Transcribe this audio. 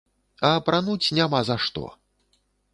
А апрануць няма за што.